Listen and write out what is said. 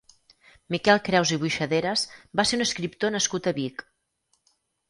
Miquel Creus i Boixaderas va ser un escriptor nascut a Vic.